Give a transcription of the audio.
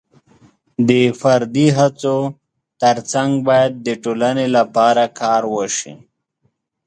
د فردي هڅو ترڅنګ باید د ټولنې لپاره کار وشي.